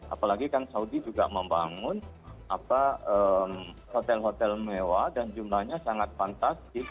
apalagi kan saudi juga membangun hotel hotel mewah dan jumlahnya sangat fantastis